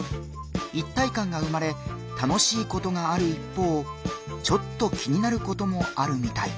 一体感が生まれ楽しいことがある一方ちょっと気になることもあるみたい。